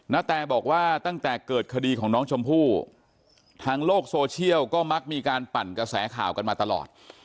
นาแตบอกว่าตั้งแต่เกิดคดีของน้องชมพู่ทางโลกโซเชียลก็มักมีการปั่นกระแสข่าวกันมาตลอด